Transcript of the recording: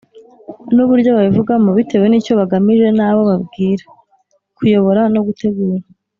n’uburyo babivugamo bitewe n’icyo bagamije n’abo babwira. Kuyobora no gutegura